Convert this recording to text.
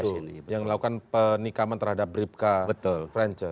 ps itu yang melakukan penikaman terhadap bripka frenche